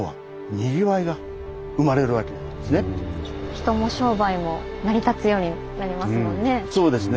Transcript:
人も商売も成り立つようになりますもんね。